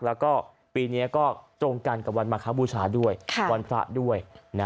แล้วก็ปีนี้ก็ตรงกันกับวันมาคบูชาด้วยวันพระด้วย